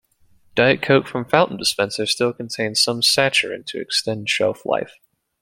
Diet Coke from fountain dispensers still contains some saccharin to extend shelf life.